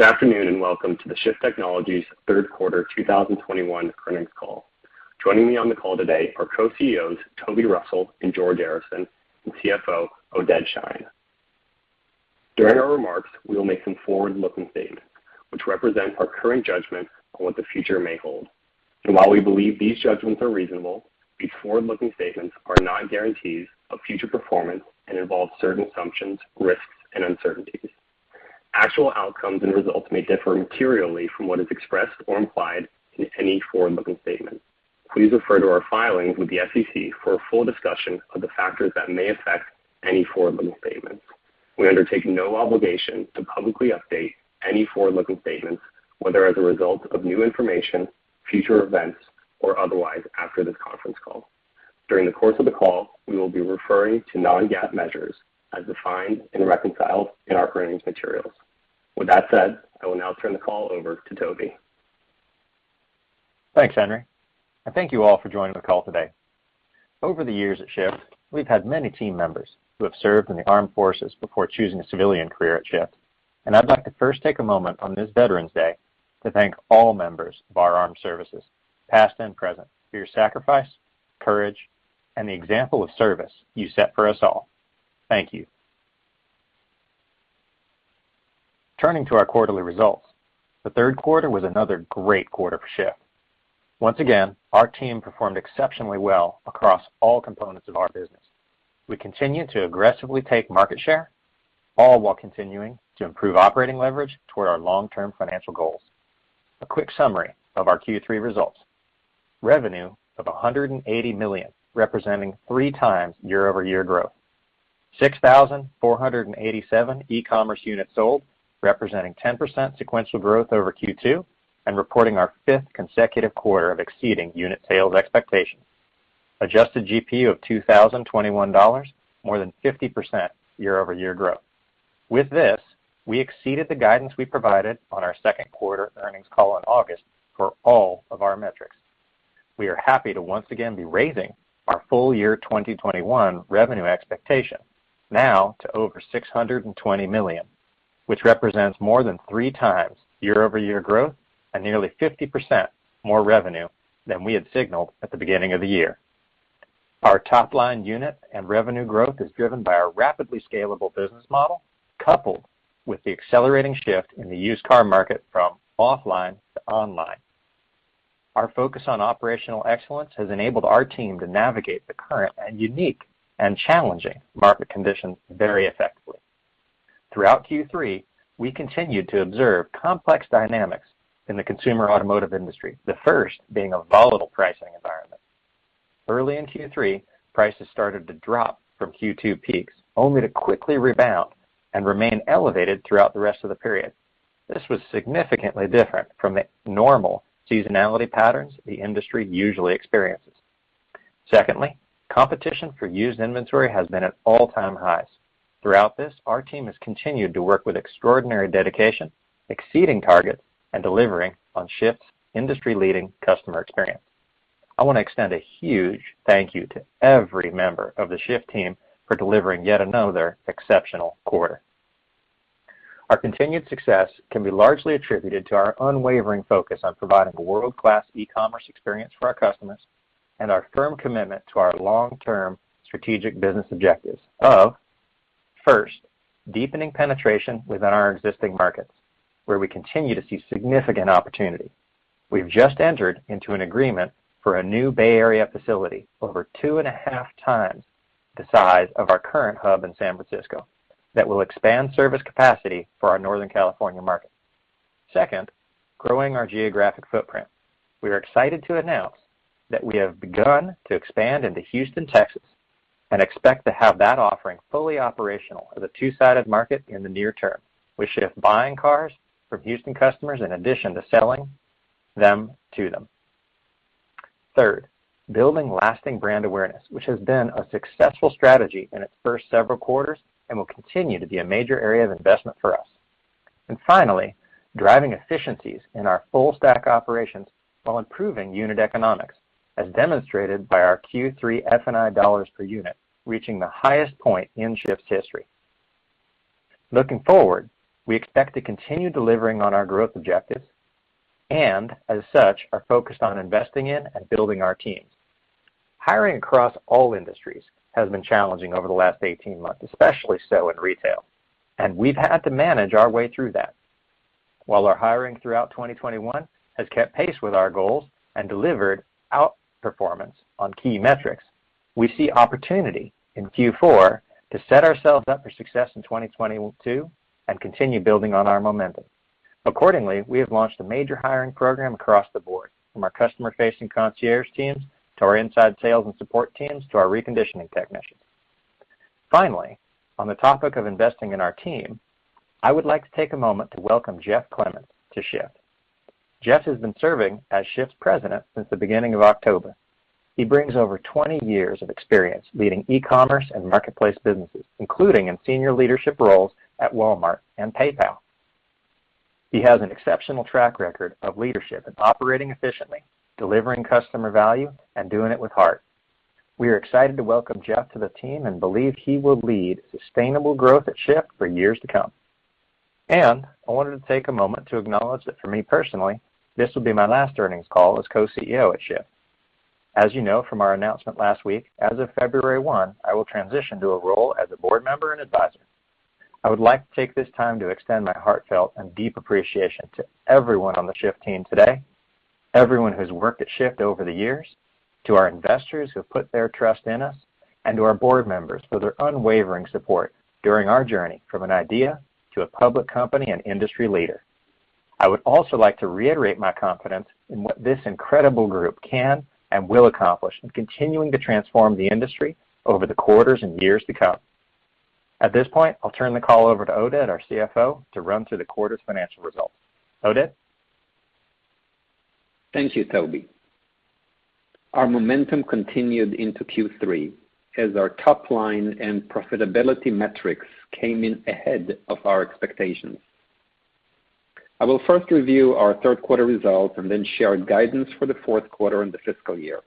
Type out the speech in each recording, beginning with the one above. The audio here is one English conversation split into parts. Good afternoon, and welcome to the Shift Technologies third quarter 2021 earnings call. Joining me on the call today are Co-CEOs Toby Russell and George Arison, and CFO Oded Shein. During our remarks, we will make some forward-looking statements which represent our current judgment on what the future may hold. While we believe these judgments are reasonable, these forward-looking statements are not guarantees of future performance and involve certain assumptions, risks, and uncertainties. Actual outcomes and results may differ materially from what is expressed or implied in any forward-looking statement. Please refer to our filings with the SEC for a full discussion of the factors that may affect any forward-looking statements. We undertake no obligation to publicly update any forward-looking statements, whether as a result of new information, future events, or otherwise after this conference call. During the course of the call, we will be referring to non-GAAP measures as defined and reconciled in our earnings materials. With that said, I will now turn the call over to Toby. Thanks, Henry, and thank you all for joining the call today. Over the years at Shift, we've had many team members who have served in the armed forces before choosing a civilian career at Shift, and I'd like to first take a moment on this Veterans Day to thank all members of our armed services, past and present, for your sacrifice, courage, and the example of service you set for us all. Thank you. Turning to our quarterly results, the third quarter was another great quarter for Shift. Once again, our team performed exceptionally well across all components of our business. We continue to aggressively take market share, all while continuing to improve operating leverage toward our long-term financial goals. A quick summary of our Q3 results. Revenue of $180 million, representing 3x year-over-year growth. 6,487 e-commerce units sold, representing 10% sequential growth over Q2, and reporting our fifth consecutive quarter of exceeding unit sales expectations. Adjusted GPU of $2,021, more than 50% year-over-year growth. With this, we exceeded the guidance we provided on our second quarter earnings call in August for all of our metrics. We are happy to once again be raising our full-year 2021 revenue expectation now to over $620 million, which represents more than 3x year-over-year growth and nearly 50% more revenue than we had signaled at the beginning of the year. Our top line unit and revenue growth is driven by our rapidly scalable business model, coupled with the accelerating shift in the used car market from offline to online. Our focus on operational excellence has enabled our team to navigate the current and unique and challenging market conditions very effectively. Throughout Q3, we continued to observe complex dynamics in the consumer automotive industry. The first being a volatile pricing environment. Early in Q3, prices started to drop from Q2 peaks, only to quickly rebound and remain elevated throughout the rest of the period. This was significantly different from the normal seasonality patterns the industry usually experiences. Secondly, competition for used inventory has been at all-time highs. Throughout this, our team has continued to work with extraordinary dedication, exceeding targets, and delivering on Shift's industry-leading customer experience. I wanna extend a huge thank you to every member of the Shift team for delivering yet another exceptional quarter. Our continued success can be largely attributed to our unwavering focus on providing a world-class e-commerce experience for our customers and our firm commitment to our long-term strategic business objectives of, first, deepening penetration within our existing markets where we continue to see significant opportunity. We've just entered into an agreement for a new Bay Area facility over 2.5xs the size of our current hub in San Francisco that will expand service capacity for our Northern California market. Second, growing our geographic footprint. We are excited to announce that we have begun to expand into Houston, Texas, and expect to have that offering fully operational as a two-sided market in the near term. We should have buying cars from Houston customers in addition to selling them to them. Third, building lasting brand awareness, which has been a successful strategy in its first several quarters and will continue to be a major area of investment for us. Finally, driving efficiencies in our full stack operations while improving unit economics, as demonstrated by our Q3 F&I dollars per unit reaching the highest point in Shift's history. Looking forward, we expect to continue delivering on our growth objectives and as such, are focused on investing in and building our teams. Hiring across all industries has been challenging over the last 18 months, especially so in retail, and we've had to manage our way through that. While our hiring throughout 2021 has kept pace with our goals and delivered outperformance on key metrics, we see opportunity in Q4 to set ourselves up for success in 2022 and continue building on our momentum. Accordingly, we have launched a major hiring program across the board, from our customer-facing concierge teams to our inside sales and support teams to our reconditioning technicians. Finally, on the topic of investing in our team, I would like to take a moment to welcome Jeff Clementz to Shift. Jeff has been serving as Shift's President since the beginning of October. He brings over 20 years of experience leading e-commerce and marketplace businesses, including in senior leadership roles at Walmart and PayPal. He has an exceptional track record of leadership in operating efficiently, delivering customer value, and doing it with heart. We are excited to welcome Jeff to the team and believe he will lead sustainable growth at Shift for years to come. I wanted to take a moment to acknowledge that for me personally, this will be my last earnings call as co-CEO at Shift. As you know from our announcement last week, as of February 1, I will transition to a role as a board member and advisor. I would like to take this time to extend my heartfelt and deep appreciation to everyone on the Shift team today, everyone who has worked at Shift over the years, to our investors who have put their trust in us, and to our board members for their unwavering support during our journey from an idea to a public company and industry leader. I would also like to reiterate my confidence in what this incredible group can and will accomplish in continuing to transform the industry over the quarters and years to come. At this point, I'll turn the call over to Oded, our CFO, to run through the quarter's financial results. Oded? Thank you, Toby. Our momentum continued into Q3 as our top line and profitability metrics came in ahead of our expectations. I will first review our third quarter results and then share guidance for the fourth quarter and the fiscal year.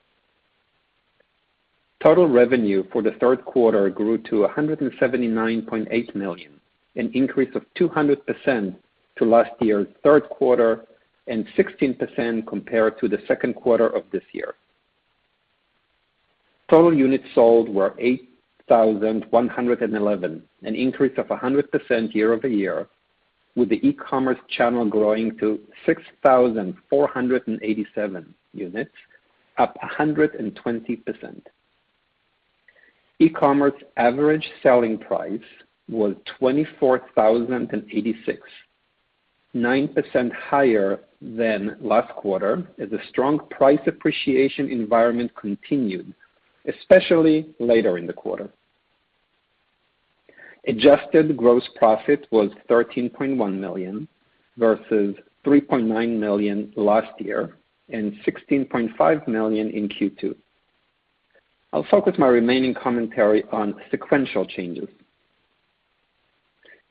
Total revenue for the third quarter grew to $179.8 million, an increase of 200% to last year's third quarter and 16% compared to the second quarter of this year. Total units sold were 8,111, an increase of 100% year-over-year, with the e-commerce channel growing to 6,487 units, up 120%. E-commerce average selling price was 24,086, 9% higher than last quarter as the strong price appreciation environment continued, especially later in the quarter. Adjusted gross profit was $13.1 million versus $3.9 million last year and $16.5 million in Q2. I'll focus my remaining commentary on sequential changes.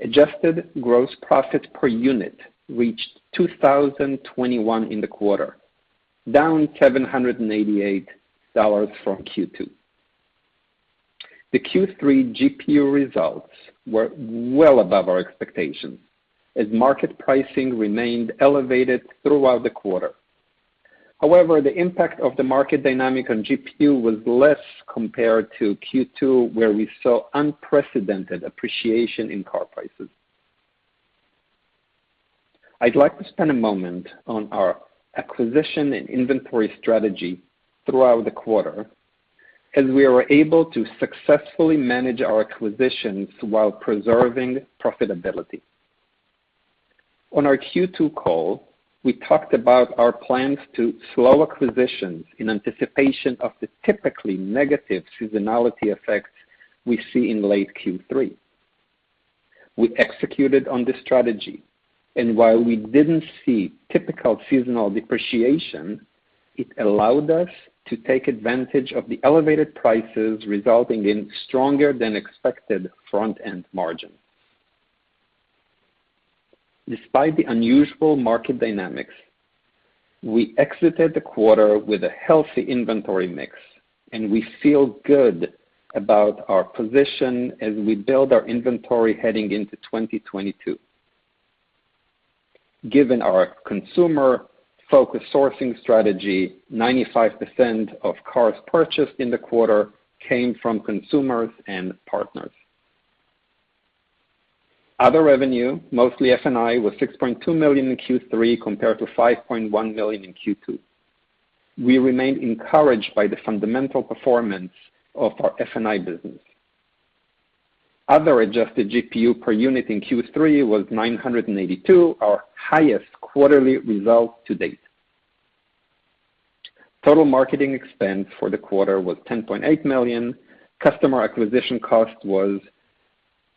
Adjusted gross profit per unit reached 2,021 in the quarter, down $788 from Q2. The Q3 GPU results were well above our expectations as market pricing remained elevated throughout the quarter. However, the impact of the market dynamic on GPU was less compared to Q2, where we saw unprecedented appreciation in car prices. I'd like to spend a moment on our acquisition and inventory strategy throughout the quarter, as we were able to successfully manage our acquisitions while preserving profitability. On our Q2 call, we talked about our plans to slow acquisitions in anticipation of the typically negative seasonality effects we see in late Q3. We executed on this strategy, and while we didn't see typical seasonal depreciation, it allowed us to take advantage of the elevated prices, resulting in stronger than expected front-end margin. Despite the unusual market dynamics, we exited the quarter with a healthy inventory mix, and we feel good about our position as we build our inventory heading into 2022. Given our consumer-focused sourcing strategy, 95% of cars purchased in the quarter came from consumers and partners. Other revenue, mostly F&I, was $6.2 million in Q3 compared to $5.1 million in Q2. We remain encouraged by the fundamental performance of our F&I business. Other adjusted GPU per unit in Q3 was 982, our highest quarterly result to date. Total marketing expense for the quarter was $10.8 million. Customer acquisition cost was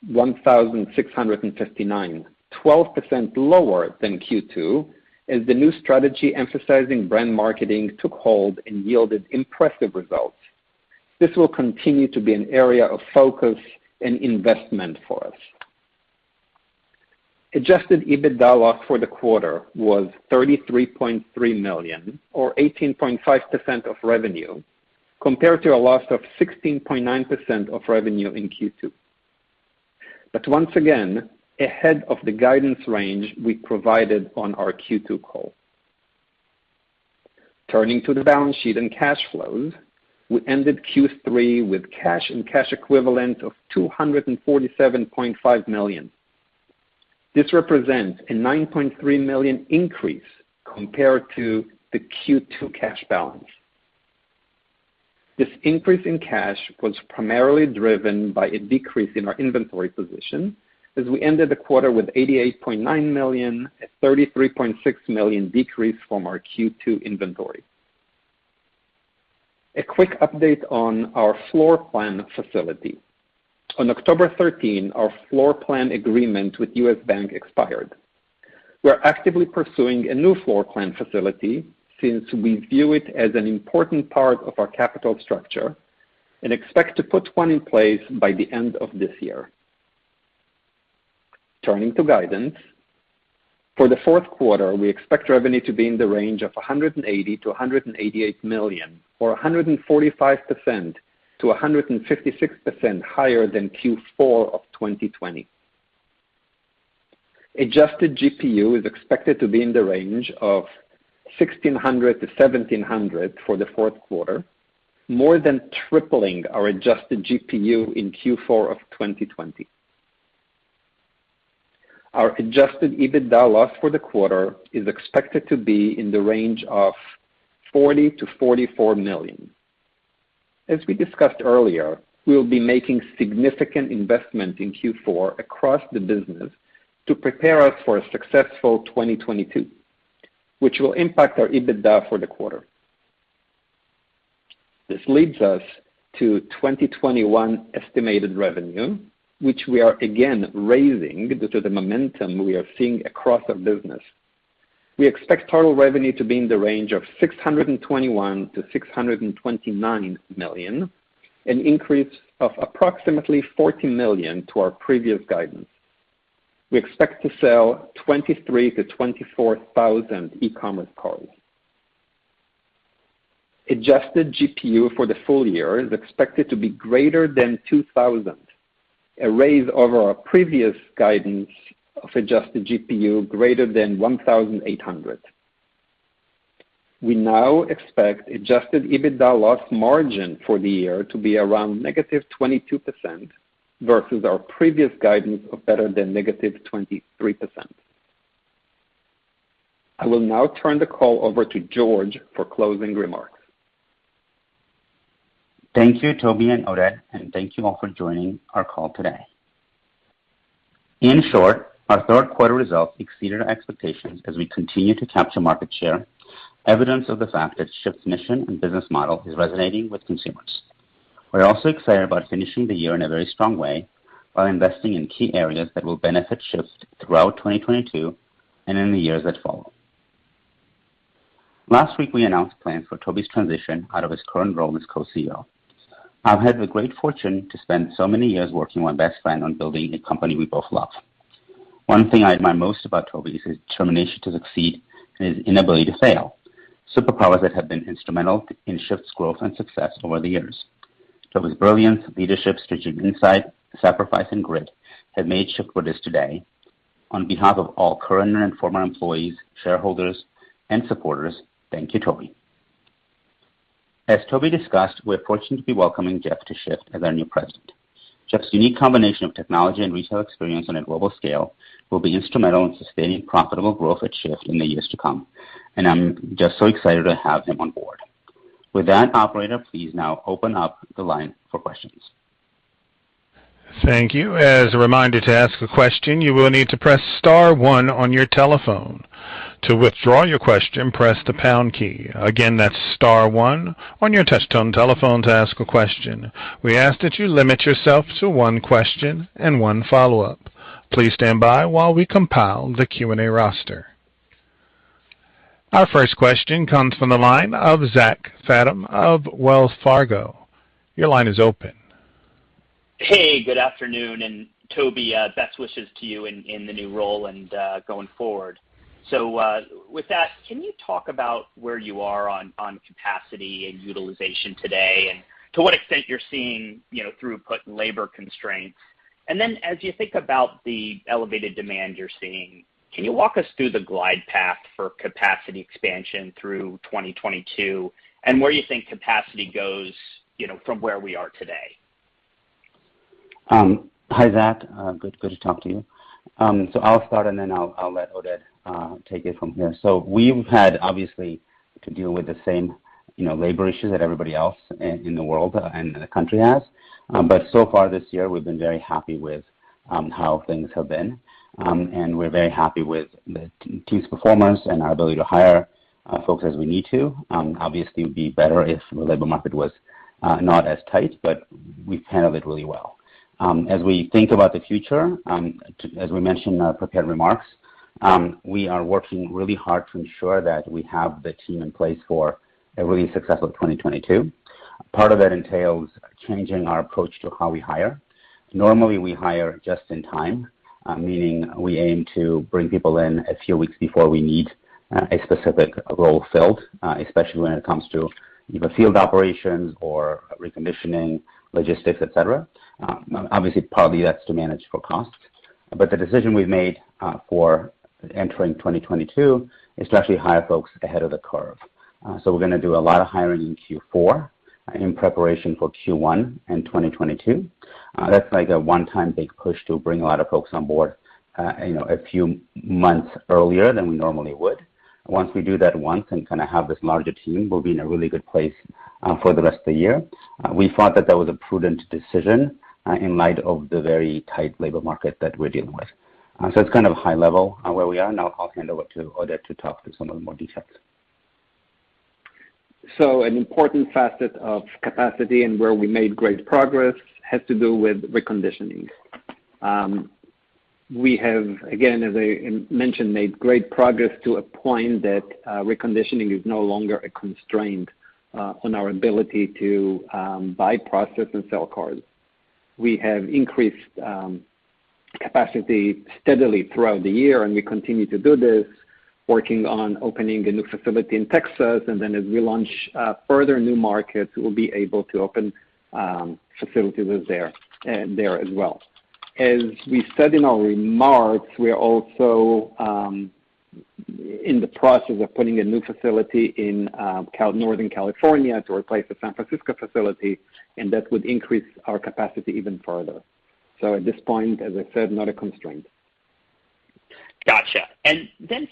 $1,659, 12% lower than Q2, as the new strategy emphasizing brand marketing took hold and yielded impressive results. This will continue to be an area of focus and investment for us. Adjusted EBITDA loss for the quarter was $33.3 million or 18.5% of revenue compared to a loss of 16.9% of revenue in Q2. Once again, ahead of the guidance range we provided on our Q2 call. Turning to the balance sheet and cash flows, we ended Q3 with cash and cash equivalents of $247.5 million. This represents a $9.3 million increase compared to the Q2 cash balance. This increase in cash was primarily driven by a decrease in our inventory position, as we ended the quarter with $88.9 million, a $33.6 million decrease from our Q2 inventory. A quick update on our floor plan facility. On October 13, our floor plan agreement with U.S. Bank expired. We're actively pursuing a new floor plan facility since we view it as an important part of our capital structure and expect to put one in place by the end of this year. Turning to guidance. For the fourth quarter, we expect revenue to be in the range of $180 million-$188 million, or 145%-156% higher than Q4 of 2020. Adjusted GPU is expected to be in the range of $1,600-$1,700 for the fourth quarter, more than tripling our adjusted GPU in Q4 of 2020. Our adjusted EBITDA loss for the quarter is expected to be in the range of $40 million-$44 million. As we discussed earlier, we'll be making significant investments in Q4 across the business to prepare us for a successful 2022, which will impact our EBITDA for the quarter. This leads us to 2021 estimated revenue, which we are again raising due to the momentum we are seeing across our business. We expect total revenue to be in the range of $621 million-$629 million, an increase of approximately $40 million to our previous guidance. We expect to sell 23,000-24,000 e-commerce cars. Adjusted GPU for the full year is expected to be greater than $2,000, a raise over our previous guidance of adjusted GPU greater than $1,800. We now expect adjusted EBITDA loss margin for the year to be around -22% versus our previous guidance of better than -23%. I will now turn the call over to George for closing remarks. Thank you, Toby and Oded, and thank you all for joining our call today. In short, our third quarter results exceeded our expectations as we continue to capture market share, evidence of the fact that Shift's mission and business model is resonating with consumers. We're also excited about finishing the year in a very strong way while investing in key areas that will benefit Shift throughout 2022 and in the years that follow. Last week, we announced plans for Toby's transition out of his current role as co-CEO. I've had the great fortune to spend so many years working with my best friend on building a company we both love. One thing I admire most about Toby is his determination to succeed and his inability to fail, superpowers that have been instrumental in Shift's growth and success over the years. Toby's brilliance, leadership, strategic insight, sacrifice, and grit have made Shift what it is today. On behalf of all current and former employees, shareholders, and supporters, thank you, Toby. As Toby discussed, we're fortunate to be welcoming Jeff to Shift as our new President. Jeff's unique combination of technology and retail experience on a global scale will be instrumental in sustaining profitable growth at Shift in the years to come, and I'm just so excited to have him on board. With that, operator, please now open up the line for questions. Thank you. As a reminder to ask a question, you will need to press star one on your telephone. To withdraw your question, press the pound key. Again, that's star one on your touch tone telephone to ask a question. We ask that you limit yourself to one question and one follow-up. Please stand by while we compile the Q&A roster. Our first question comes from the line of Zach Fadem of Wells Fargo. Your line is open. Hey, good afternoon, and Toby, best wishes to you in the new role and going forward. With that, can you talk about where you are on capacity and utilization today, and to what extent you're seeing, you know, throughput and labor constraints? Then as you think about the elevated demand you're seeing, can you walk us through the glide path for capacity expansion through 2022 and where you think capacity goes, you know, from where we are today? Hi, Zach. Good to talk to you. I'll start, and then I'll let Oded take it from here. We've had obviously to deal with the same, you know, labor issues that everybody else in the world and the country has. So far this year, we've been very happy with how things have been. We're very happy with the team's performance and our ability to hire folks as we need to. It would obviously be better if the labor market was not as tight, but we've handled it really well. As we think about the future, as we mentioned in our prepared remarks, we are working really hard to ensure that we have the team in place for a really successful 2022. Part of that entails changing our approach to how we hire. Normally, we hire just in time, meaning we aim to bring people in a few weeks before we need a specific role filled, especially when it comes to either field operations or reconditioning, logistics, et cetera. Obviously, partly that's to manage for cost. The decision we've made for entering 2022 is to actually hire folks ahead of the curve. We're gonna do a lot of hiring in Q4 in preparation for Q1 in 2022. That's like a one-time big push to bring a lot of folks on board, you know, a few months earlier than we normally would. Once we do that once and kind of have this larger team, we'll be in a really good place for the rest of the year. We thought that was a prudent decision in light of the very tight labor market that we're dealing with. It's kind of high level on where we are. Now I'll hand over to Oded to talk to some of the more details. An important facet of capacity and where we made great progress has to do with reconditioning. We have, again, as I mentioned, made great progress to a point that reconditioning is no longer a constraint on our ability to buy, process, and sell cars. We have increased capacity steadily throughout the year, and we continue to do this, working on opening a new facility in Texas. As we launch further new markets, we'll be able to open facilities there, and there as well. As we said in our remarks, we are also in the process of putting a new facility in Northern California to replace the San Francisco facility, and that would increase our capacity even further. At this point, as I said, not a constraint. Gotcha.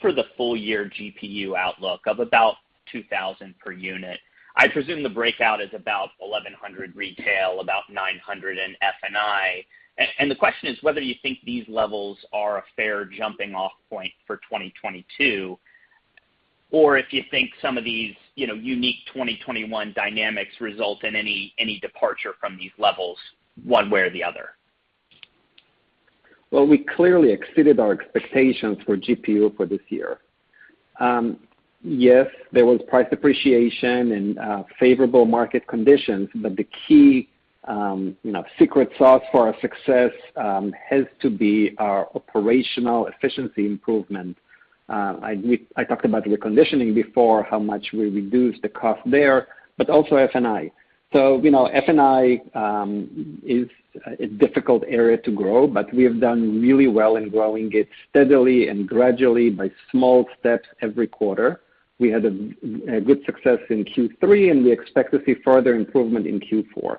For the full year GPU outlook of about 2,000 per unit, I presume the breakout is about 1,100 retail, about 900 in F&I. The question is whether you think these levels are a fair jumping off point for 2022, or if you think some of these, you know, unique 2021 dynamics result in any departure from these levels one way or the other. Well, we clearly exceeded our expectations for GPU for this year. Yes, there was price appreciation and favorable market conditions. But the key, you know, secret sauce for our success has to be our operational efficiency improvement. I talked about reconditioning before, how much we reduced the cost there, but also F&I. You know, F&I is a difficult area to grow, but we have done really well in growing it steadily and gradually by small steps every quarter. We had a good success in Q3, and we expect to see further improvement in Q4.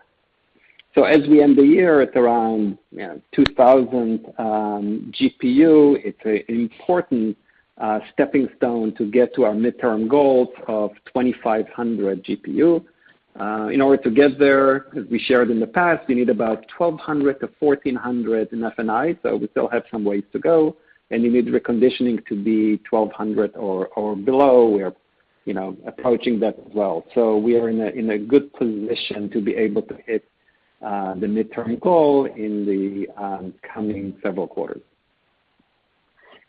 As we end the year at around, you know, 2,000 GPU, it's an important stepping stone to get to our midterm goals of 2,500 GPU. In order to get there, as we shared in the past, we need about $1,200-$1,400 in F&I. We still have some ways to go, and you need reconditioning to be $1,200 or below. We're, you know, approaching that as well. We are in a good position to be able to hit the midterm goal in the coming several quarters.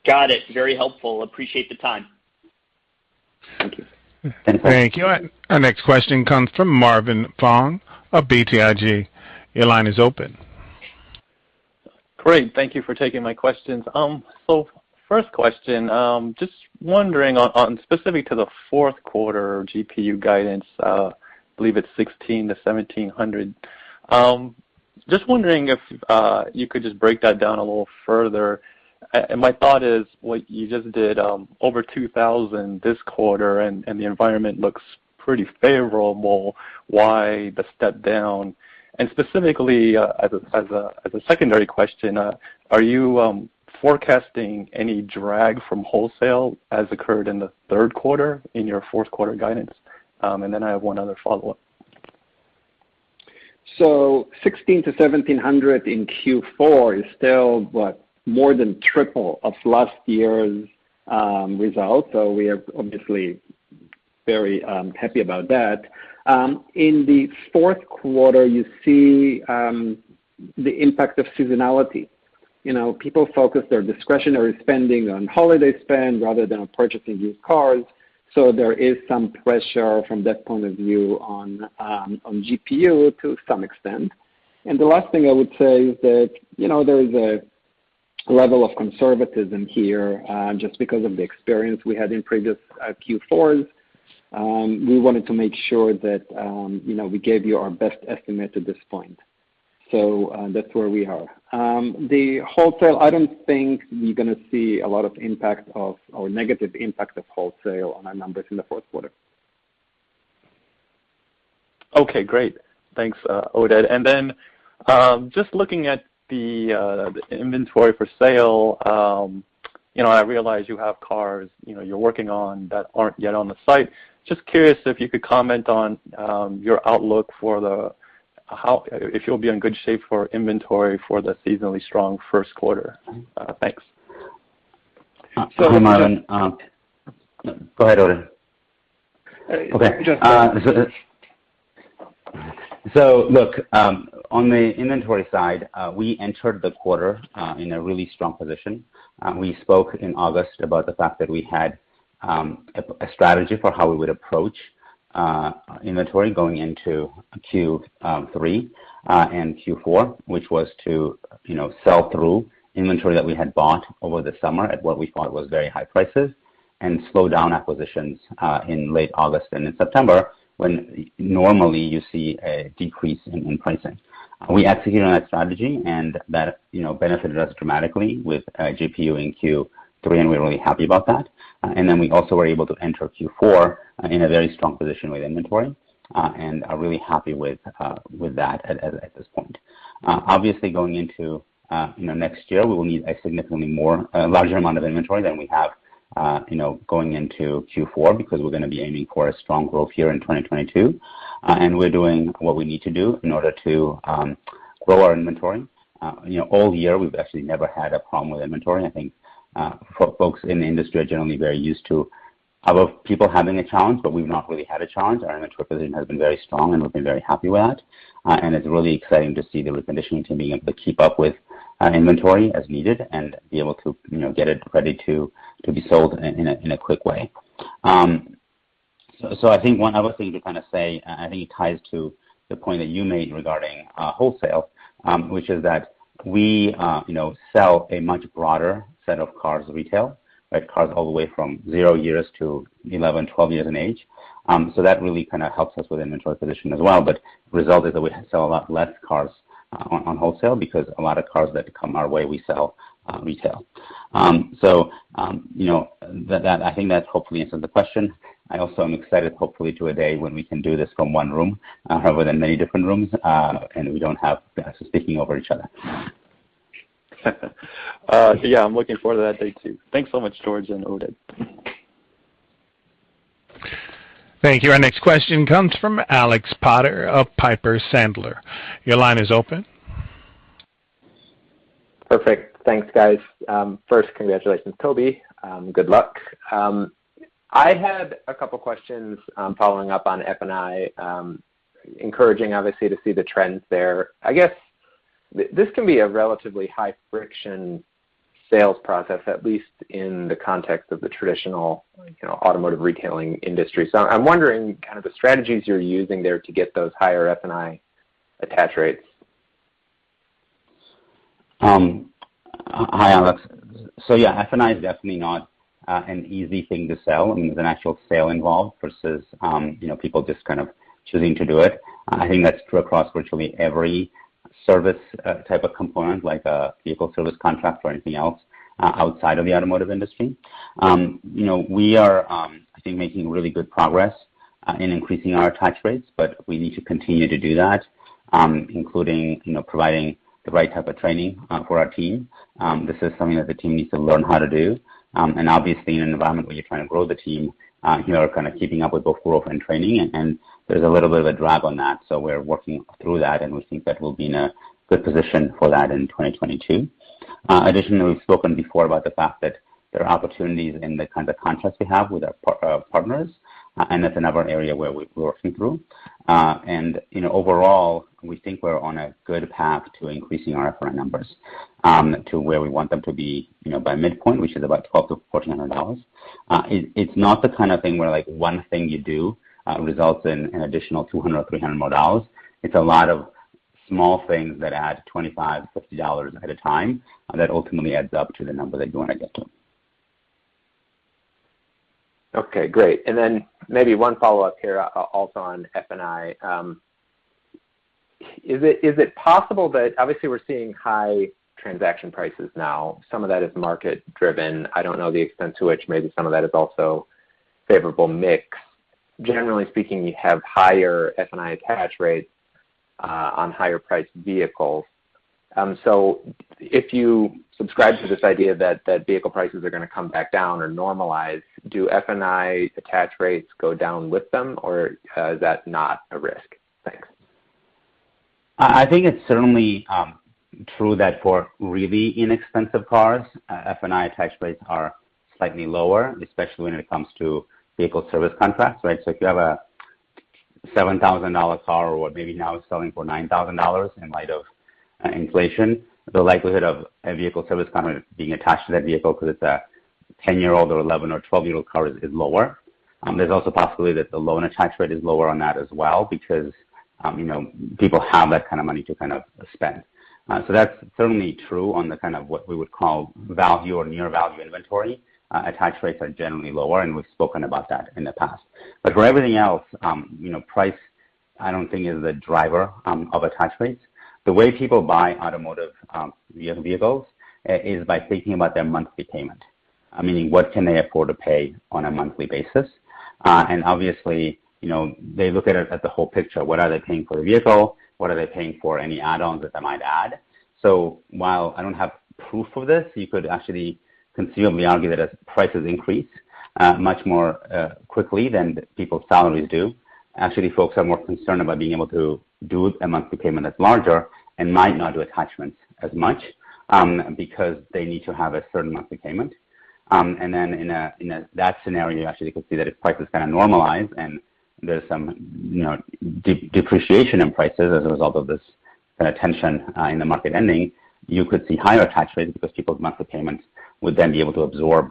Got it. Very helpful. Appreciate the time. Thank you. Thank you. Thank you. Our next question comes from Marvin Fong of BTIG. Your line is open. Great. Thank you for taking my questions. First question, just wondering on specific to the fourth quarter GPU guidance, I believe it's 1,600-1,700. Just wondering if you could just break that down a little further. My thought is what you just did over 2,000 this quarter and the environment looks pretty favorable, why the step down? Specifically, as a secondary question, are you forecasting any drag from wholesale as occurred in the third quarter in your fourth quarter guidance? Then I have one other follow-up. 1,600-1,700 in Q4 is still, what, more than triple of last year's results. We are obviously very happy about that. In the fourth quarter, you see, the impact of seasonality. You know, people focus their discretionary spending on holiday spend rather than on purchasing used cars. There is some pressure from that point of view on GPU to some extent. The last thing I would say is that, you know, there is a level of conservatism here, just because of the experience we had in previous Q4s. We wanted to make sure that, you know, we gave you our best estimate at this point. That's where we are. The wholesale, I don't think you're gonna see a lot of impact of or negative impact of wholesale on our numbers in the fourth quarter. Okay, great. Thanks, Oded. Just looking at the inventory for sale, you know, I realize you have cars, you know, you're working on that aren't yet on the site. Just curious if you could comment on your outlook for if you'll be in good shape for inventory for the seasonally strong first quarter. Thanks. So- Go ahead, Marvin. Go ahead, Oded. Just- Okay. Look, on the inventory side, we entered the quarter in a really strong position. We spoke in August about the fact that we had a strategy for how we would approach inventory going into Q3 and Q4, which was to, you know, sell through inventory that we had bought over the summer at what we thought was very high prices and slow down acquisitions in late August and in September, when normally you see a decrease in pricing. We executed on that strategy, and that, you know, benefited us dramatically with GPU in Q3, and we're really happy about that. And then we also were able to enter Q4 in a very strong position with inventory, and are really happy with that at this point. Obviously going into, you know, next year, we will need a larger amount of inventory than we have, you know, going into Q4 because we're gonna be aiming for a strong growth year in 2022. We're doing what we need to do in order to grow our inventory. You know, all year we've actually never had a problem with inventory. I think for folks in the industry are generally very used to other people having a challenge, but we've not really had a challenge. Our inventory position has been very strong, and we've been very happy with that. It's really exciting to see the reconditioning team being able to keep up with our inventory as needed and be able to, you know, get it ready to be sold in a quick way. I think one other thing to kinda say. I think it ties to the point that you made regarding wholesale, which is that we, you know, sell a much broader set of cars retail, right? Cars all the way from zero years to 11, 12 years in age. That really kinda helps us with inventory position as well. Result is that we sell a lot less cars on wholesale because a lot of cars that come our way, we sell retail. You know, that I think that hopefully answered the question. I also am excited hopefully to a day when we can do this from one room rather than many different rooms, and we don't have us speaking over each other. Yeah, I'm looking forward to that day too. Thanks so much, George and Oded. Thank you. Our next question comes from Alexander Potter of Piper Sandler. Your line is open. Perfect. Thanks, guys. First, congratulations, Toby. Good luck. I had a couple questions, following up on F&I, encouraging obviously to see the trends there. I guess this can be a relatively high friction sales process, at least in the context of the traditional, you know, automotive retailing industry. So I'm wondering kind of the strategies you're using there to get those higher F&I attach rates. Hi Alex. Yeah, F&I is definitely not an easy thing to sell. I mean, there's an actual sale involved versus, you know, people just kind of choosing to do it. I think that's true across virtually every service, type of component, like a vehicle service contract or anything else, outside of the automotive industry. You know, we are, I think making really good progress in increasing our attach rates, but we need to continue to do that, including, you know, providing the right type of training for our team. This is something that the team needs to learn how to do. Obviously in an environment where you're trying to grow the team, you know, kind of keeping up with both growth and training and there's a little bit of a drag on that. We're working through that, and we think that we'll be in a good position for that in 2022. Additionally, we've spoken before about the fact that there are opportunities in the kind of contracts we have with our partners, and that's another area where we're working through. You know, overall we think we're on a good path to increasing our F&I numbers to where we want them to be, you know, by midpoint, which is about $1,200-$1,400. It's not the kind of thing where like one thing you do results in an additional $200, $300 more dollars. It's a lot of small things that add $25, $50 at a time that ultimately adds up to the number that you wanna get to. Okay, great. Maybe one follow-up here, also on F&I. Is it possible that obviously we're seeing high transaction prices now, some of that is market driven. I don't know the extent to which maybe some of that is also favorable mix. Generally speaking, you have higher F&I attach rates on higher priced vehicles. If you subscribe to this idea that vehicle prices are gonna come back down or normalize, do F&I attach rates go down with them or is that not a risk? Thanks. I think it's certainly true that for really inexpensive cars, F&I attach rates are slightly lower, especially when it comes to vehicle service contracts, right? If you have a $7,000 car or what maybe now is selling for $9,000 in light of inflation, the likelihood of a vehicle service contract being attached to that vehicle 'cause it's a 10-year-old or 11- or 12-year-old car is lower. There's also a possibility that the loan attach rate is lower on that as well because, you know, people have that kind of money to kind of spend. That's certainly true on the kind of what we would call value or near value inventory. Attach rates are generally lower, and we've spoken about that in the past. For everything else, you know, price I don't think is the driver of attach rates. The way people buy automotive vehicles is by thinking about their monthly payment, meaning what can they afford to pay on a monthly basis. Obviously, you know, they look at the whole picture. What are they paying for the vehicle? What are they paying for any add-ons that they might add? While I don't have proof of this, you could actually conceivably argue that as prices increase much more quickly than people's salaries do. Actually, folks are more concerned about being able to do a monthly payment that's larger and might not do attachments as much, because they need to have a certain monthly payment. In that scenario, you actually could see that if prices kinda normalize and there's some, you know, depreciation in prices as a result of this kinda tension in the market ending, you could see higher attach rates because people's monthly payments would then be able to absorb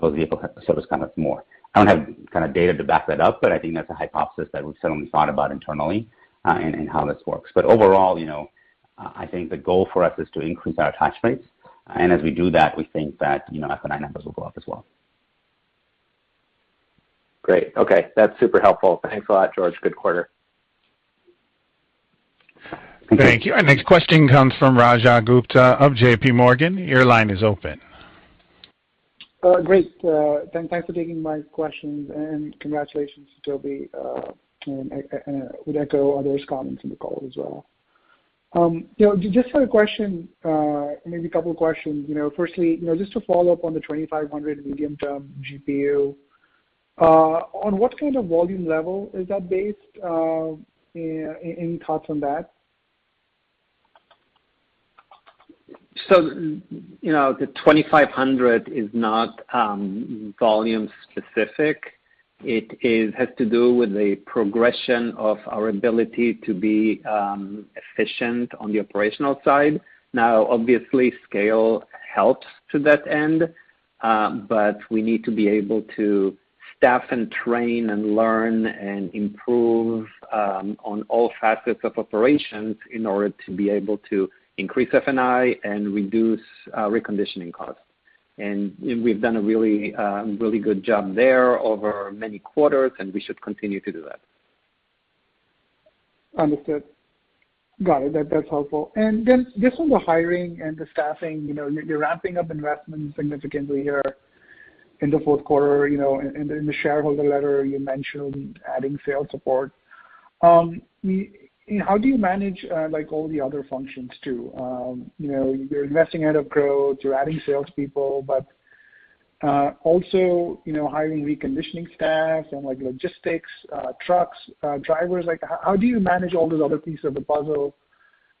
those vehicle service contracts more. I don't have kinda data to back that up, but I think that's a hypothesis that we've certainly thought about internally in how this works. Overall, you know, I think the goal for us is to increase our attach rates, and as we do that, we think that, you know, F&I numbers will go up as well. Great. Okay. That's super helpful. Thanks a lot, George. Good quarter. Thank you. Our next question comes from Rajat Gupta of JPMorgan. Your line is open. Great. Thanks for taking my questions and congratulations to Toby. I would echo others' comments in the call as well. You know, I just had a question, maybe a couple questions. You know, firstly, you know, just to follow up on the 2,500 medium-term GPU, on what kind of volume level is that based? Any thoughts on that? You know, the $2,500 is not volume specific. It has to do with the progression of our ability to be efficient on the operational side. Now, obviously, scale helps to that end, but we need to be able to staff and train and learn and improve on all facets of operations in order to be able to increase F&I and reduce reconditioning costs. We've done a really, really good job there over many quarters, and we should continue to do that. Understood. Got it. That's helpful. Just on the hiring and the staffing, you know, you're ramping up investment significantly here in the fourth quarter, you know, and in the shareholder letter you mentioned adding sales support. How do you manage like all the other functions too? You know, you're investing ahead of growth, you're adding salespeople, but also, you know, hiring reconditioning staff and like logistics, trucks, drivers. Like how do you manage all those other pieces of the puzzle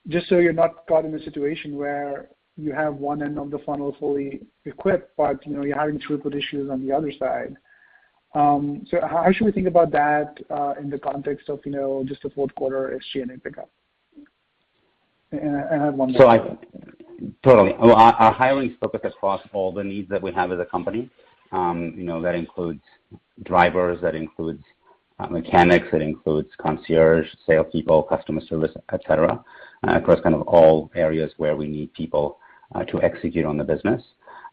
just so you're not caught in a situation where you have one end of the funnel fully equipped, but you know, you're having throughput issues on the other side? How should we think about that in the context of you know just the fourth quarter SG&A pickup? I have one more question. Totally. Well, our hiring is focused across all the needs that we have as a company. You know, that includes drivers, mechanics, concierge, salespeople, customer service, et cetera. Across kind of all areas where we need people to execute on the business.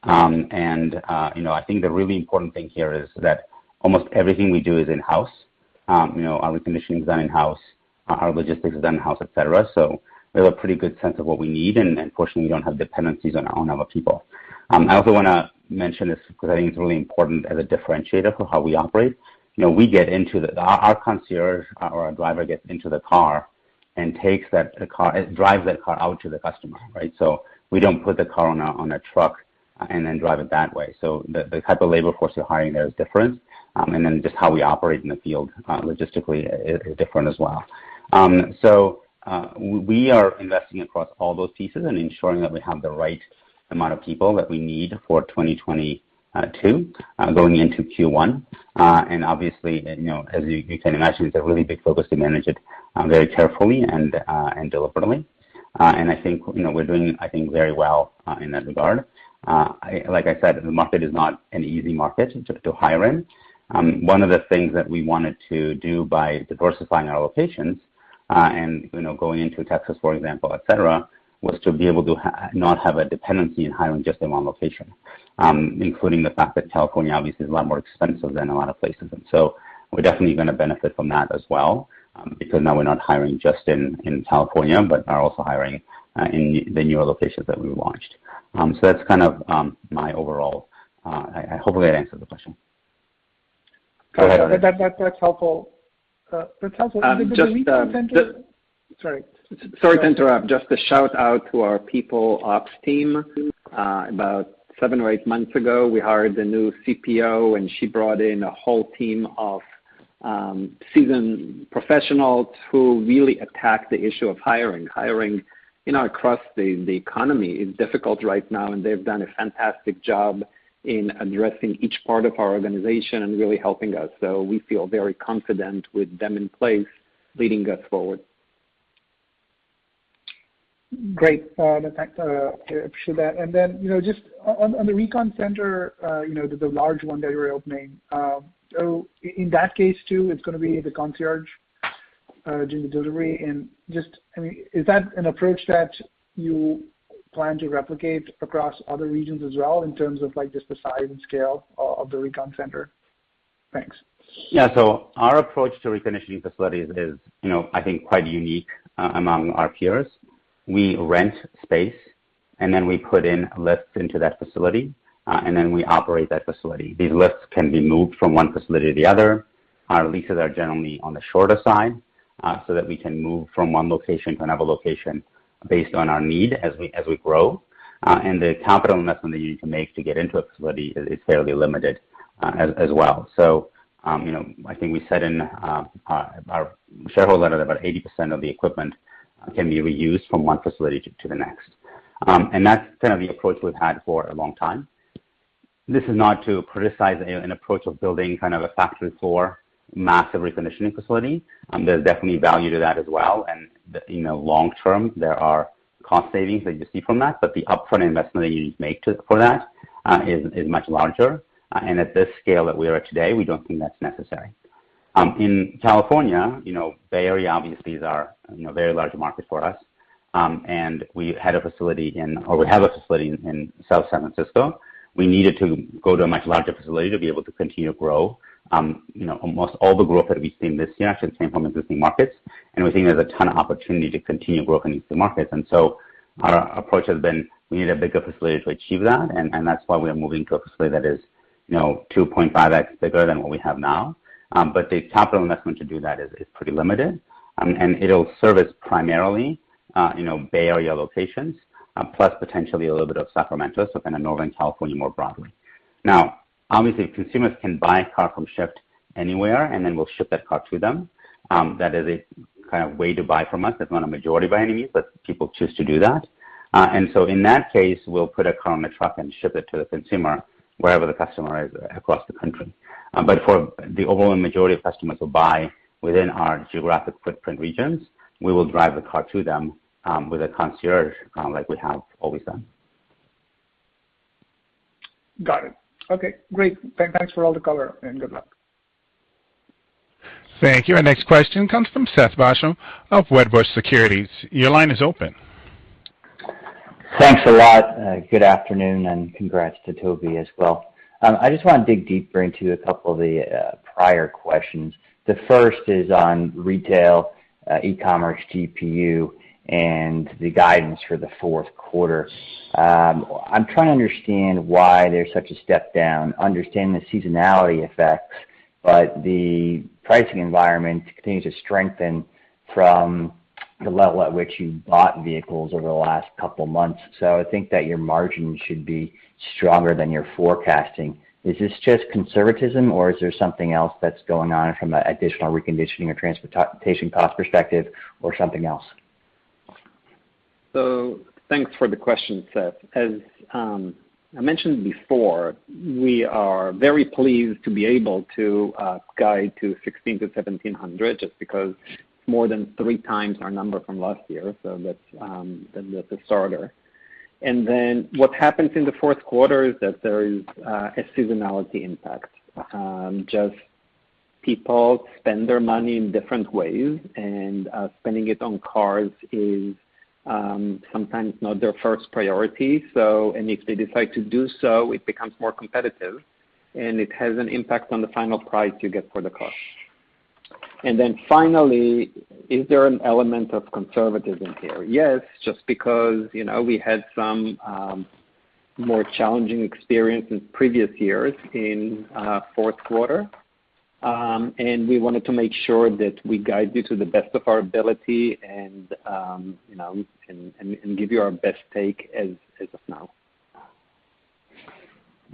You know, I think the really important thing here is that almost everything we do is in-house. You know, our reconditioning is done in-house, our logistics is done in-house, et cetera. We have a pretty good sense of what we need, and unfortunately, we don't have dependencies on our people. I also wanna mention this because I think it's really important as a differentiator for how we operate. Our concierge or our driver gets into the car and takes that car. Drives that car out to the customer, right? We don't put the car on a truck and then drive it that way. The type of labor force you're hiring there is different. Then just how we operate in the field, logistically is different as well. We are investing across all those pieces and ensuring that we have the right amount of people that we need for 2022, going into Q1. Obviously, you know, as you can imagine, it's a really big focus to manage it very carefully and deliberately. I think, you know, we're doing, I think, very well in that regard. Like I said, the market is not an easy market to hire in. One of the things that we wanted to do by diversifying our locations, and, you know, going into Texas, for example, et cetera, was to be able to not have a dependency in hiring just in one location, including the fact that California obviously is a lot more expensive than a lot of places. We're definitely gonna benefit from that as well, because now we're not hiring just in California, but are also hiring in the new locations that we launched. That's kind of my overall. Hopefully that answers the question. That's helpful. That's helpful. Um, just, um- Sorry. Sorry to interrupt. Just a shout out to our people ops team. About seven or eight months ago, we hired the new CPO, and she brought in a whole team of seasoned professionals who really attacked the issue of hiring. You know, across the economy is difficult right now, and they've done a fantastic job in addressing each part of our organization and really helping us. We feel very confident with them in place, leading us forward. Great. Thanks, appreciate that. You know, just on the recon center, you know, the large one that you're opening, so in that case too, it's gonna be the concierge doing the delivery. Just, I mean, is that an approach that you plan to replicate across other regions as well in terms of, like, just the size and scale of the recon center? Thanks. Yeah. Our approach to reconditioning facilities is, you know, I think quite unique among our peers. We rent space, and then we put in lifts into that facility, and then we operate that facility. These lifts can be moved from one facility to the other. Our leases are generally on the shorter side, so that we can move from one location to another location based on our need as we grow. The capital investment that you need to make to get into a facility is fairly limited, as well. You know, I think we said in our shareholder letter that about 80% of the equipment can be reused from one facility to the next. That's kind of the approach we've had for a long time. This is not to criticize an approach of building kind of a factory floor massive reconditioning facility. There's definitely value to that as well. You know, long term, there are cost savings that you see from that. The upfront investment that you need to make for that is much larger. At this scale that we are today, we don't think that's necessary. In California, you know, Bay Area obviously is our you know very large market for us. We have a facility in South San Francisco. We needed to go to a much larger facility to be able to continue to grow. You know, almost all the growth that we've seen this year actually came from existing markets, and we think there's a ton of opportunity to continue growing these markets. Our approach has been we need a bigger facility to achieve that. That's why we are moving to a facility that is, you know, 2.5x bigger than what we have now. But the capital investment to do that is pretty limited. And it'll service primarily, you know, Bay Area locations, plus potentially a little bit of Sacramento, so kind of Northern California more broadly. Now, obviously, consumers can buy a car from Shift anywhere, and then we'll ship that car to them. That is a kind of way to buy from us. It's not a majority by any means, but people choose to do that. In that case, we'll put a car on a truck and ship it to the consumer wherever the customer is across the country. For the overwhelming majority of customers who buy within our geographic footprint regions, we will drive the car to them, with a concierge, like we have always done. Got it. Okay, great. Thanks for all the color and good luck. Thank you. Our next question comes from Seth Basham of Wedbush Securities. Your line is open. Thanks a lot. Good afternoon, and congrats to Toby as well. I just want to dig deeper into a couple of the prior questions. The first is on retail e-commerce GPU and the guidance for the fourth quarter. I'm trying to understand why there's such a step down, understand the seasonality effects, but the pricing environment continues to strengthen from the level at which you bought vehicles over the last couple of months. I think that your margins should be stronger than you're forecasting. Is this just conservatism or is there something else that's going on from an additional reconditioning or transportation cost perspective or something else? Thanks for the question, Seth. As I mentioned before, we are very pleased to be able to guide to 1,600-1,700 just because more than three times our number from last year. That's a starter. Then what happens in the fourth quarter is that there is a seasonality impact. Just people spend their money in different ways, and spending it on cars is sometimes not their first priority. If they decide to do so, it becomes more competitive, and it has an impact on the final price you get for the car. Then finally, is there an element of conservatism here? Yes. Just because, you know, we had some more challenging experience in previous years in fourth quarter, and we wanted to make sure that we guide you to the best of our ability and, you know, and give you our best take as of now.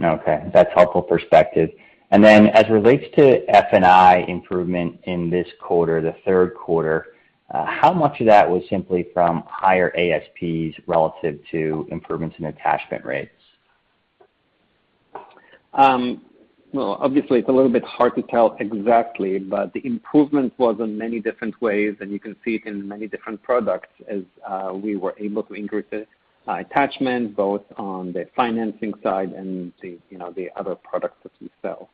Okay. That's helpful perspective. As it relates to F&I improvement in this quarter, the third quarter, how much of that was simply from higher ASPs relative to improvements in attachment rates? Well, obviously it's a little bit hard to tell exactly, but the improvement was in many different ways, and you can see it in many different products as we were able to increase the attachment both on the financing side and the, you know, the other products that we sell.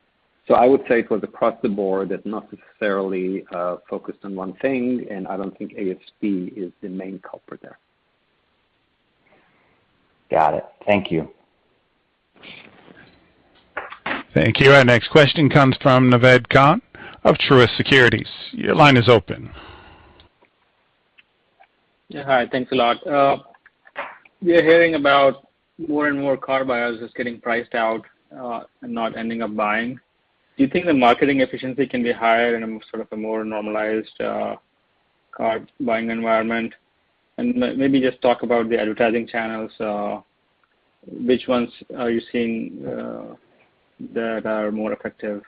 So I would say it was across the board as not necessarily focused on one thing, and I don't think ASP is the main culprit there. Got it. Thank you. Thank you. Our next question comes from Naved Khan of Truist Securities. Your line is open. Yeah. Hi. Thanks a lot. We are hearing about more and more car buyers just getting priced out and not ending up buying. Do you think the marketing efficiency can be higher in a sort of a more normalized car buying environment? Maybe just talk about the advertising channels. Which ones are you seeing that are more effective?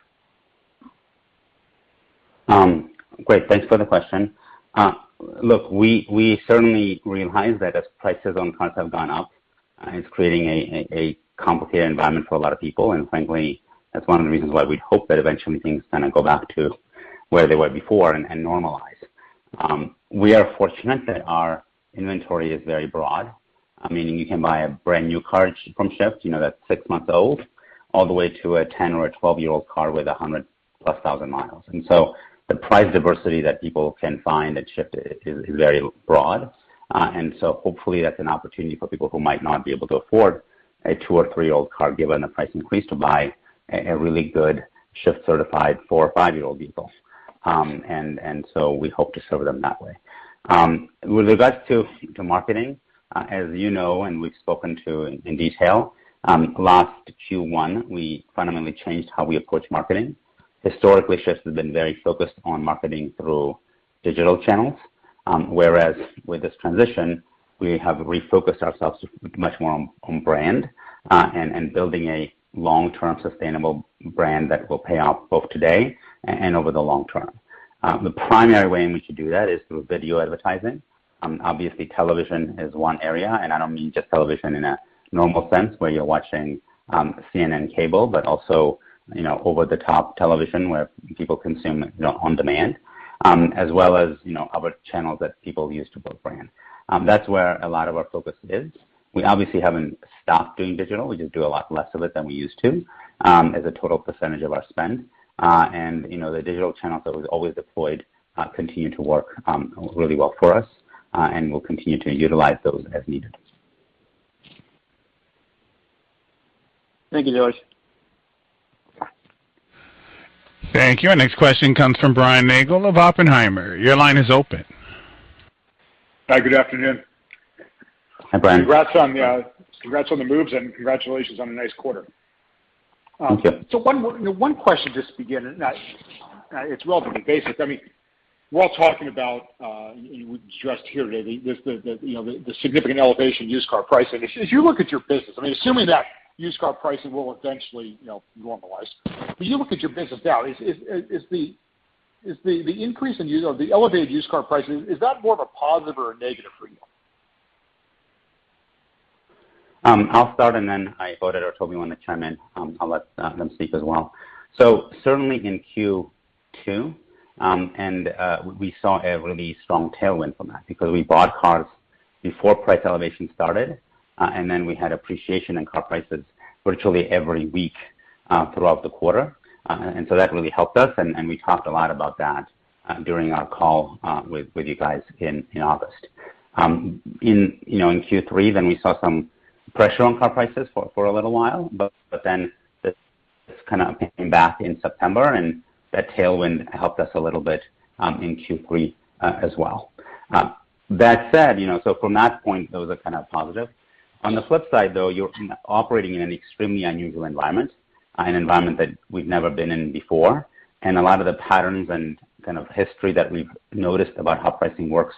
Great. Thanks for the question. Look, we certainly realize that as prices on cars have gone up, it's creating a complicated environment for a lot of people. Frankly, that's one of the reasons why we hope that eventually things kinda go back to where they were before and normalize. We are fortunate that our inventory is very broad, meaning you can buy a brand-new car from Shift, you know, that's six months old, all the way to a 10- or 12-year-old car with 100,000+ miles. The price diversity that people can find at Shift is very broad. Hopefully that's an opportunity for people who might not be able to afford a two- or three-year-old car, given the price increase, to buy a really good Shift certified four- or five-year-old vehicle. We hope to serve them that way. With regards to marketing, as you know, we've spoken to in detail last Q1, we fundamentally changed how we approach marketing. Historically, Shift has been very focused on marketing through digital channels, whereas with this transition, we have refocused ourselves much more on brand and building a long-term sustainable brand that will pay off both today and over the long term. The primary way in which we do that is through video advertising. Obviously television is one area, and I don't mean just television in a normal sense where you're watching CNN cable, but also, you know, over-the-top television where people consume, you know, on-demand, as well as, you know, other channels that people use to build brand. That's where a lot of our focus is. We obviously haven't stopped doing digital. We just do a lot less of it than we used to, as a total percentage of our spend. You know, the digital channels that was always deployed continue to work really well for us, and we'll continue to utilize those as needed. Thank you, George. Thank you. Our next question comes from Brian Nagel of Oppenheimer. Your line is open. Hi, Good afternoon. Hi, Brian. Congrats on the moves and congratulations on a nice quarter. Thank you. One question just to begin, and it's relatively basic. I mean, we're all talking about, and you stressed here today the significant elevation used car pricing. If you look at your business, I mean, assuming that used car pricing will eventually, you know, normalize. When you look at your business now, is the increase in used car or the elevated used car pricing more of a positive or a negative for you? I'll start, and then if Oded or Toby want to chime in, I'll let them speak as well. Certainly in Q2, we saw a really strong tailwind from that because we bought cars before price elevation started, and then we had appreciation in car prices virtually every week throughout the quarter. That really helped us, and we talked a lot about that during our call with you guys in August. In you know, in Q3, we saw some pressure on car prices for a little while, but then this kinda came back in September, and that tailwind helped us a little bit in Q3 as well. That said, you know, from that point, those are kind of positive. On the flip side, though, you're operating in an extremely unusual environment, an environment that we've never been in before, and a lot of the patterns and kind of history that we've noticed about how pricing works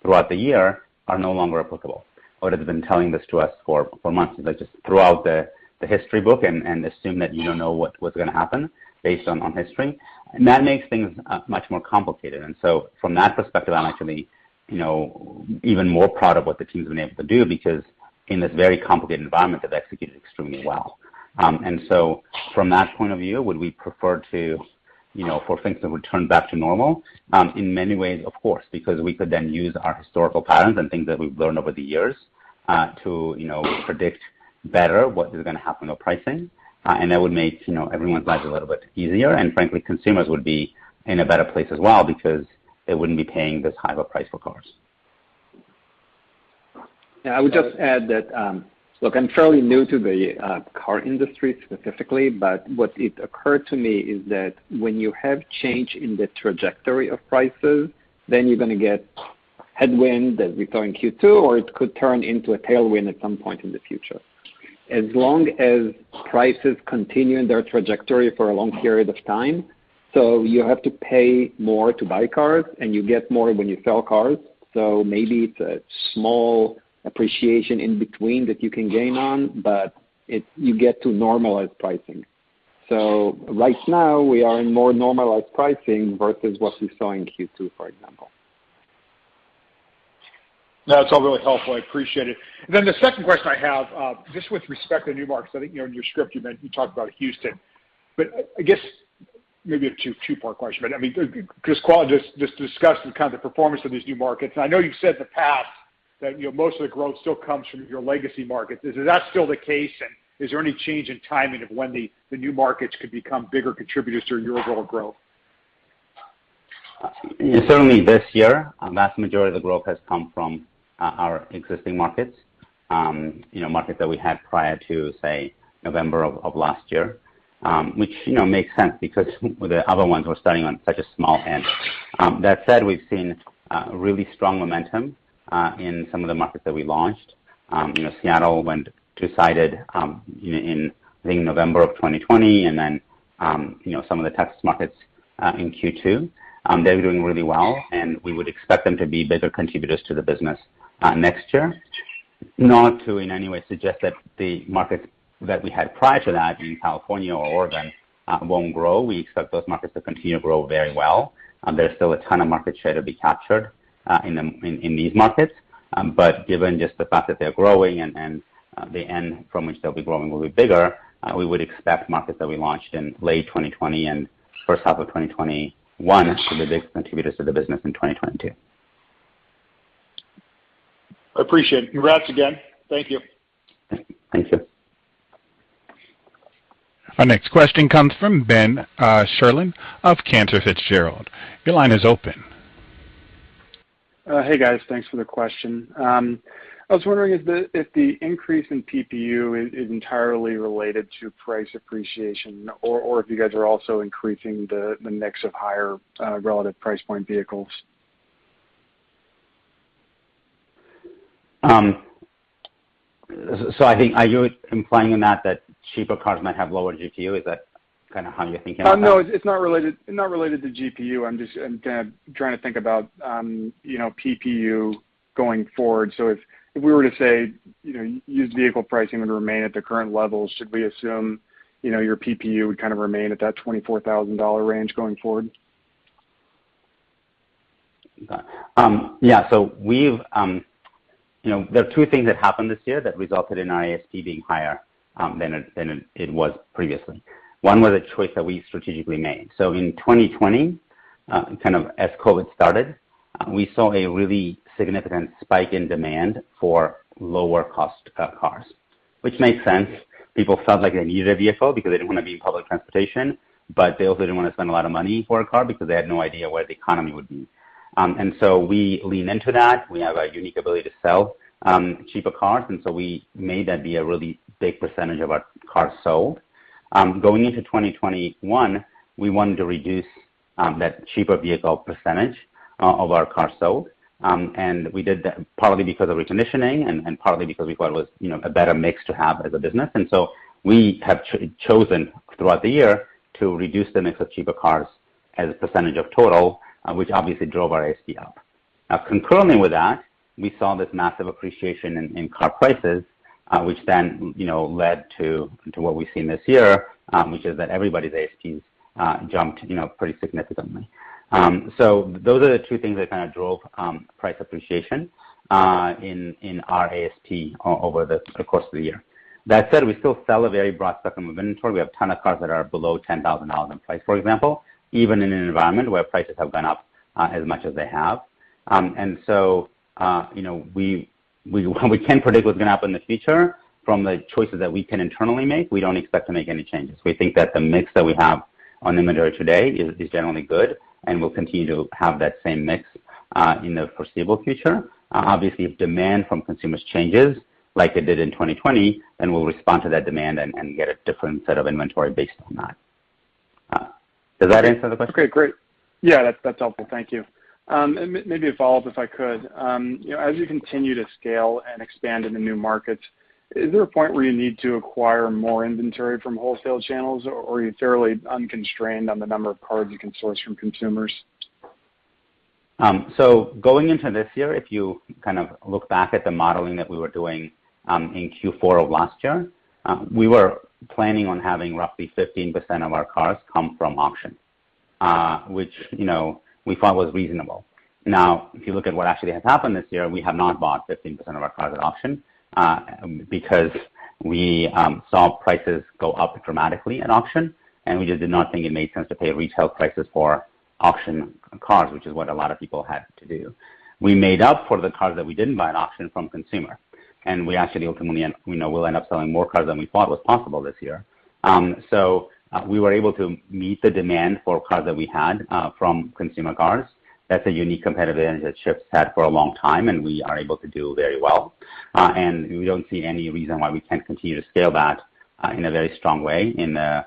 throughout the year are no longer applicable. Oded has been telling this to us for months, that just throw out the history book and assume that you don't know what was gonna happen based on history. That makes things much more complicated. From that perspective, I'm actually, you know, even more proud of what the team's been able to do because in this very complicated environment, they've executed extremely well. From that point of view, would we prefer to, you know, for things to return back to normal? In many ways, of course, because we could then use our historical patterns and things that we've learned over the years, to you know predict better what is gonna happen on pricing. That would make you know everyone's lives a little bit easier, and frankly, consumers would be in a better place as well because they wouldn't be paying this high of a price for cars. Yeah. I would just add that, look, I'm fairly new to the car industry specifically, but what it occurred to me is that when you have change in the trajectory of prices, then you're gonna get headwind, as we saw in Q2, or it could turn into a tailwind at some point in the future. As long as prices continue in their trajectory for a long period of time, so you have to pay more to buy cars, and you get more when you sell cars. So maybe it's a small appreciation in between that you can gain on, but it's you get to normalize pricing. So right now, we are in more normalized pricing versus what we saw in Q2, for example. That's all really helpful. I appreciate it. The second question I have, just with respect to new markets, I think, you know, in your script, you meant you talked about Houston. I guess maybe a two-part question. I mean, because Qual just discussed the kind of performance of these new markets. I know you've said in the past that, you know, most of the growth still comes from your legacy markets. Is that still the case, and is there any change in timing of when the new markets could become bigger contributors to your overall growth? Certainly this year, a vast majority of the growth has come from our existing markets. You know, markets that we had prior to, say, November of last year, which you know, makes sense because the other ones were starting on such a small end. That said, we've seen really strong momentum in some of the markets that we launched. You know, Seattle went two-sided in, I think November of 2020 and then you know, some of the Texas markets in Q2. They're doing really well, and we would expect them to be bigger contributors to the business next year. Not to in any way suggest that the markets that we had prior to that in California or Oregon won't grow. We expect those markets to continue to grow very well. There's still a ton of market share to be captured in these markets. Given just the fact that they're growing and the end from which they'll be growing will be bigger, we would expect markets that we launched in late 2020 and first half of 2021 to be big contributors to the business in 2022. I appreciate it. Congrats again. Thank you. Thank you. Our next question comes from Ben Sherlund of Cantor Fitzgerald. Your line is open. Hey, guys. Thanks for the question. I was wondering if the increase in PPU is entirely related to price appreciation or if you guys are also increasing the mix of higher relative price point vehicles. I think, are you implying in that cheaper cars might have lower GPU? Is that kinda how you're thinking about that? No, it's not related to GPU. I'm kinda trying to think about, you know, PPU going forward. If we were to say, you know, used vehicle pricing would remain at the current levels, should we assume, you know, your PPU would kind of remain at that $24,000 range going forward? Yeah. We've, you know, there are two things that happened this year that resulted in our ASP being higher than it was previously. One was a choice that we strategically made. In 2020, kind of as COVID started, we saw a really significant spike in demand for lower cost cars, which made sense. People felt like they needed a vehicle because they didn't wanna be in public transportation, but they also didn't wanna spend a lot of money for a car because they had no idea where the economy would be. We lean into that. We have a unique ability to sell cheaper cars, and we made that be a really big percentage of our cars sold. Going into 2021, we wanted to reduce that cheaper vehicle percentage of our cars sold. We did that partly because of reconditioning and partly because we thought it was, you know, a better mix to have as a business. We have chosen throughout the year to reduce the mix of cheaper cars as a percentage of total, which obviously drove our ASP up. Now concurrently with that, we saw this massive appreciation in car prices, which then, you know, led to what we've seen this year, which is that everybody's ASPs jumped, you know, pretty significantly. Those are the two things that kind of drove price appreciation in our ASP over the course of the year. That said, we still sell a very broad spectrum of inventory. We have a ton of cars that are below $10,000 in price, for example, even in an environment where prices have gone up as much as they have. You know, we can't predict what's gonna happen in the future from the choices that we can internally make. We don't expect to make any changes. We think that the mix that we have on inventory today is generally good, and we'll continue to have that same mix in the foreseeable future. Obviously, if demand from consumers changes like it did in 2020, then we'll respond to that demand and get a different set of inventory based on that. Does that answer the question? Great. Yeah, that's helpful. Thank you. Maybe a follow-up, if I could. You know, as you continue to scale and expand into new markets, is there a point where you need to acquire more inventory from wholesale channels, or are you fairly unconstrained on the number of cars you can source from consumers? Going into this year, if you kind of look back at the modeling that we were doing, in Q4 of last year, we were planning on having roughly 15% of our cars come from auction, which, you know, we thought was reasonable. Now, if you look at what actually has happened this year, we have not bought 15% of our cars at auction, because we saw prices go up dramatically at auction, and we just did not think it made sense to pay retail prices for auction cars, which is what a lot of people had to do. We made up for the cars that we didn't buy at auction from consumer, and we actually ultimately, you know, will end up selling more cars than we thought was possible this year. We were able to meet the demand for cars that we had from consumer cars. That's a unique competitive advantage that Shift's had for a long time, and we are able to do very well. We don't see any reason why we can't continue to scale that in a very strong way in the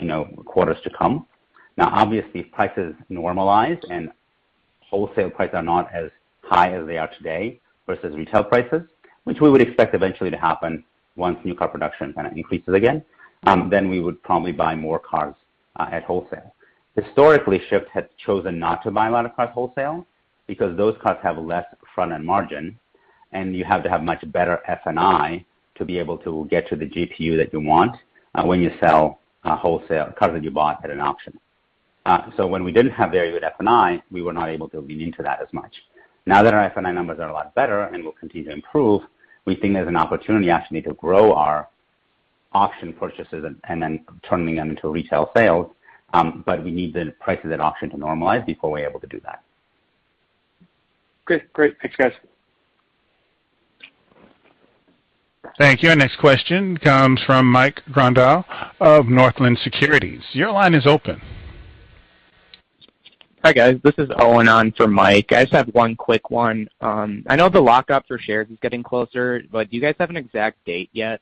you know, quarters to come. Now, obviously, if prices normalize and wholesale prices are not as high as they are today versus retail prices, which we would expect eventually to happen once new car production kind of increases again, then we would probably buy more cars at wholesale. Historically, Shift had chosen not to buy a lot of cars wholesale because those cars have less front-end margin, and you have to have much better F&I to be able to get to the GPU that you want when you sell a wholesale car that you bought at an auction. When we didn't have very good F&I, we were not able to lean into that as much. Now that our F&I numbers are a lot better and will continue to improve, we think there's an opportunity actually to grow our auction purchases and then turning them into retail sales, but we need the prices at auction to normalize before we're able to do that. Great. Thanks, guys. Thank you. Next question comes from Mike Grondahl of Northland Securities. Your line is open. Hi, guys. This is Owen on for Mike. I just have one quick one. I know the lockup for shares is getting closer, but do you guys have an exact date yet?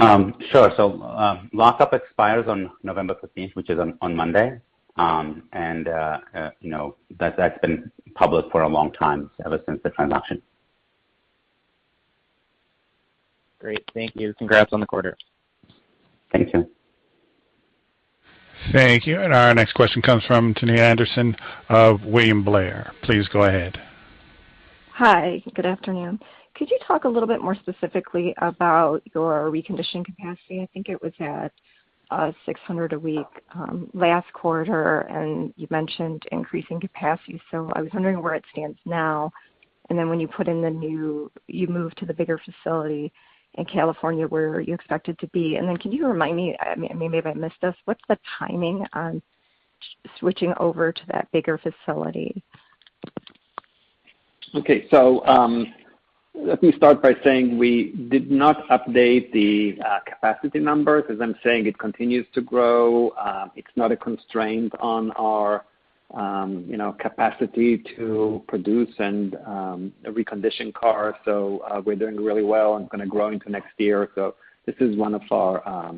Sure. Lockup expires on November 15th, which is on Monday. You know, that's been public for a long time, ever since the transaction. Great. Thank you. Congrats on the quarter. Thank you. Thank you. Our next question comes from Tania Anderson of William Blair. Please go ahead. Hi. Good afternoon. Could you talk a little bit more specifically about your reconditioning capacity? I think it was at 600 a week last quarter, and you mentioned increasing capacity. I was wondering where it stands now. When you move to the bigger facility in California, where are you expected to be? Can you remind me? I mean, maybe I missed this. What's the timing on switching over to that bigger facility? Okay. Let me start by saying we did not update the capacity numbers. As I'm saying, it continues to grow. It's not a constraint on our you know, capacity to produce and recondition cars. We're doing really well and gonna grow into next year. This is one of our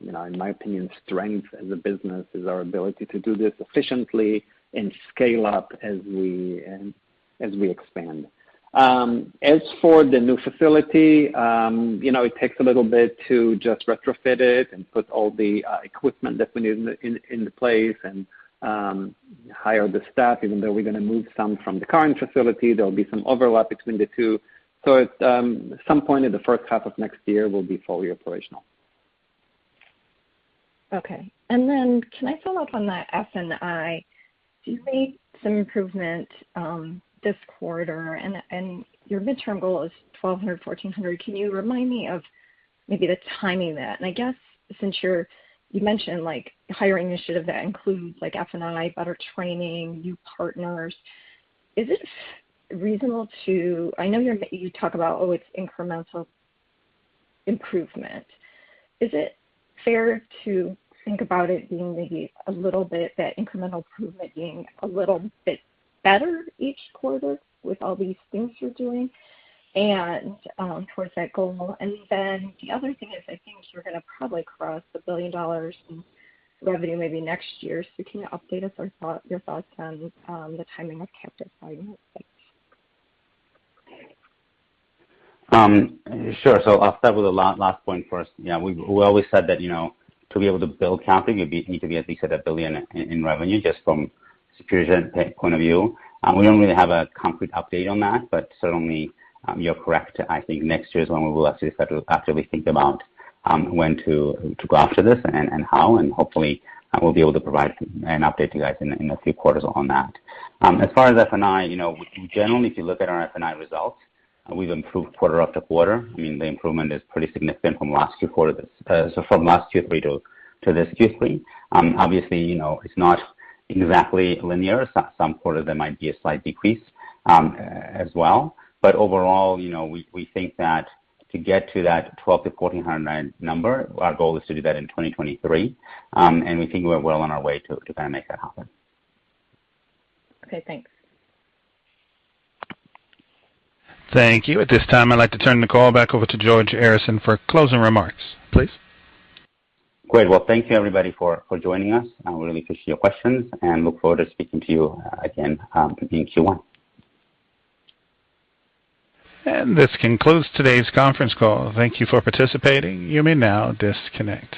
you know, in my opinion, strengths as a business, is our ability to do this efficiently and scale up as we expand. As for the new facility, you know, it takes a little bit to just retrofit it and put all the equipment that we need in place and hire the staff, even though we're gonna move some from the current facility. There'll be some overlap between the two. At some point in the first half of next year, we'll be fully operational. Okay. Then can I follow up on that F&I? You've made some improvement this quarter and your midterm goal is 1,200, 1,400. Can you remind me of maybe the timing of that? I guess since you mentioned like hiring initiative that includes like F&I, better training, new partners. Is it reasonable to? I know you talk about, oh, it's incremental improvement. Is it fair to think about it being maybe a little bit, that incremental improvement being a little bit better each quarter with all these things you're doing and towards that goal? Then the other thing is I think you're gonna probably cross $1 billion in revenue maybe next year. Can you update us on your thoughts on the timing of captive volume? Thanks. Sure. I'll start with the last point first. Yeah, we always said that, you know, to be able to build captive, you need to be at least $1 billion in revenue just from security point of view. We don't really have a concrete update on that, but certainly, you're correct. I think next year is when we will actually start to actively think about when to go after this and how, and hopefully, we'll be able to provide an update to you guys in a few quarters on that. As far as F&I, you know, we generally, if you look at our F&I results, we've improved quarter after quarter. I mean, the improvement is pretty significant from last two quarters, so from last Q3 to this Q3. Obviously, you know, it's not exactly linear. Some quarters there might be a slight decrease, as well. Overall, you know, we think that to get to that 1,200-1,400 number, our goal is to do that in 2023, and we think we're well on our way to kinda make that happen. Okay, thanks. Thank you. At this time, I'd like to turn the call back over to George Arison for closing remarks, please. Great. Well, thank you everybody for joining us. I really appreciate your questions and look forward to speaking to you again in Q1. This concludes today's conference call. Thank you for participating. You may now disconnect.